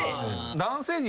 男性陣。